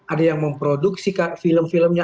ada yang memproduksi film filmnya